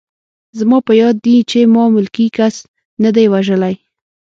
زما په یاد دي چې ما ملکي کس نه دی وژلی